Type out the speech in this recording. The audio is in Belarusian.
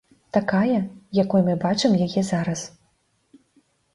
Такая, якой мы бачым яе зараз.